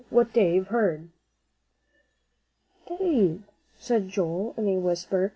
II WHAT DAVE HEARD "Dave," said Joel, in a whisper.